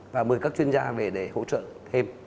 và mời các chuyên gia về để hỗ trợ thêm